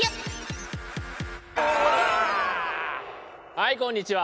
はいこんにちは。